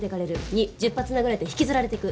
２「１０発殴られて引きずられていく」。